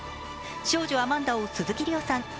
少女アマンダを鈴木梨央さん